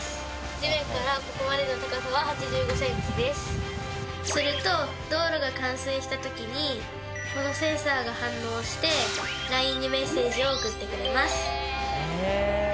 地面からここまでの高さは８５ｃｍですすると道路が冠水した時にこのセンサーが反応してＬＩＮＥにメッセージを送ってくれますえ